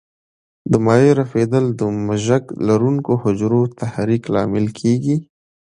د مایع رپېدل د مژک لرونکو حجرو تحریک لامل کېږي.